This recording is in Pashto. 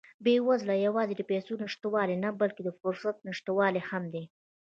بېوزلي یوازې د پیسو نشتوالی نه، بلکې د فرصت نشتوالی هم دی.